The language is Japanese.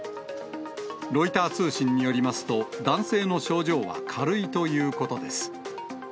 ロイター通信によりますと、男性の症状は軽いということです。